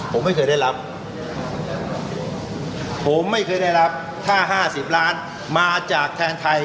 ผมไม่เคยได้รับผมไม่เคยได้รับถ้า๕๐ล้านมาจากแทนไทย